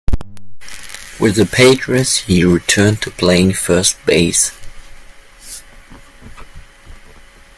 With the Padres, he returned to playing first base.